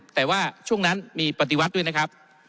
แต่ว่าช่วงนั้นมีปฏิวัติด้วยนะครับ